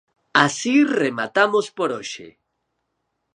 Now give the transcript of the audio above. Así rematamos por hoxe.